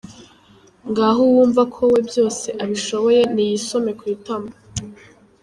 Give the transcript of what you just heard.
Ngaho uwumva ko we byose abishoboye niyisome ku itama.